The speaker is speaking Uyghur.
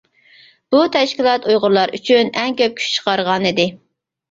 بۇ تەشكىلات ئۇيغۇرلار ئۈچۈن ئەڭ كۆپ كۈچ چىقارغانىدى.